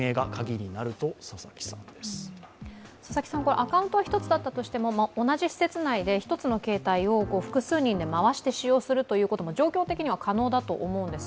アカウントは１つだったとしても同じ施設内で１つの携帯を複数人で回して使用することも状況的には可能だと思うんです。